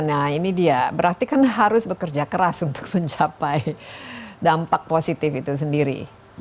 nah ini dia berarti kan harus bekerja keras untuk mencapai dampak positif itu sendiri